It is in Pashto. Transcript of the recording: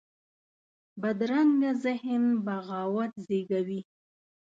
بدرنګه ذهن بغاوت زېږوي